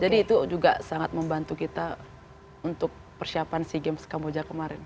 jadi itu juga sangat membantu kita untuk persiapan sea games kamboja kemarin